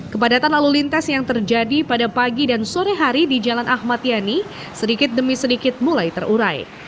kepadatan lalu lintas yang terjadi pada pagi dan sore hari di jalan ahmad yani sedikit demi sedikit mulai terurai